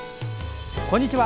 こんにちは。